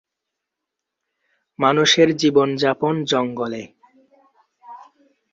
মানুষের জীবনযাপন জঙ্গলে।